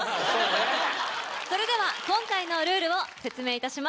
それでは今回のルールを説明いたします。